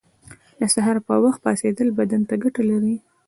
• د سهار پر وخت پاڅېدل بدن ته ګټه لري.